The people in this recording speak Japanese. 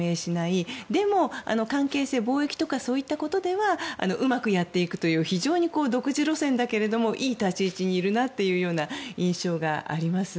関係性貿易とかそういったことではうまくやっていくという非常に独自路線だけどもいい立ち位置にいるなという印象があります。